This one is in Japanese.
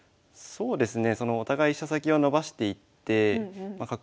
そうですね。